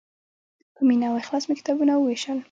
په مینه او اخلاص مې کتابونه ووېشل.